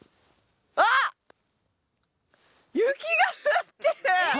あっ雪が降ってる！